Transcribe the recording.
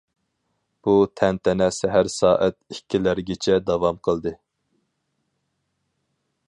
بۇ تەنتەنە سەھەر سائەت ئىككىلەرگىچە داۋام قىلدى.